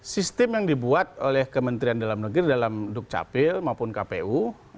sistem yang dibuat oleh kementerian dalam negeri dalam dukcapil maupun kpu